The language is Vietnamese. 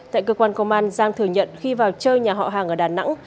tại cơ quan công an giang thừa nhận khi vào chơi nhà họ hàng ở đà nẵng